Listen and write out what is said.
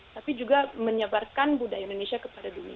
tapi juga menyebarkan budaya indonesia kepada dunia